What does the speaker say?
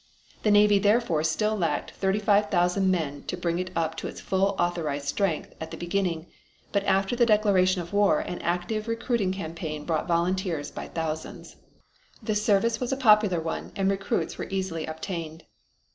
The Navy therefore still lacked thirty five thousand men to bring it up to its full authorized strength at the beginning, but after the declaration of war an active recruiting campaign brought volunteers by thousands. The service was a popular one and recruits were easily obtained.